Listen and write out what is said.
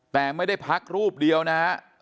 แต่ไม่ได้พักรูปเดียวนะฮะ